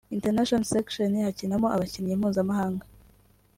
International Section (Hakinamo abakinnyi mpuzamahanga